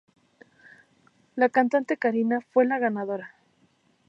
La cantante Karina fue la ganadora.